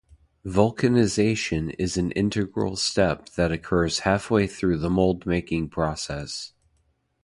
Vulcanization is an integral step that occurs halfway through the mold-making process.